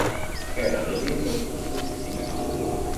Scheda del libro su Tout Simenon